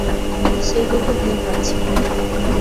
সেইটাই তো ভেবে পাচ্ছি না।